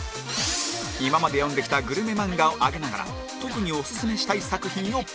今まで読んできたグルメ漫画を挙げながら特にオススメしたい作品をプレゼン